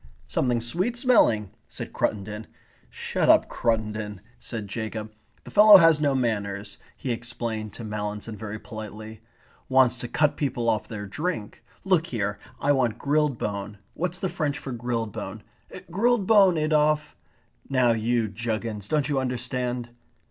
"Something sweet smelling," said Cruttendon. "Shut up, Cruttendon," said Jacob. "The fellow has no manners," he explained to Mallinson very politely. "Wants to cut people off their drink. Look here. I want grilled bone. What's the French for grilled bone? Grilled bone, Adolphe. Now you juggins, don't you understand?"